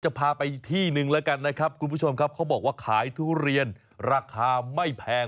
พาไปที่หนึ่งแล้วกันนะครับคุณผู้ชมครับเขาบอกว่าขายทุเรียนราคาไม่แพง